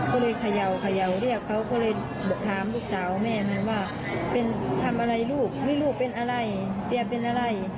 ก็เลยเขย่าเรียกเขาก็เลยบอกถามลูกสาวแม่นั้นว่าเป็นทำอะไรลูกหรือลูกเป็นอะไรเตียเป็นอะไร